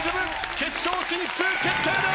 決勝進出決定です！